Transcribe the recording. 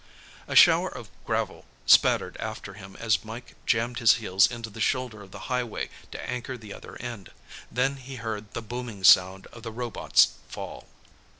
_] A shower of gravel spattered after him as Mike jammed his heels into the shoulder of the highway to anchor the other end. Then he heard the booming sound of the robot's fall.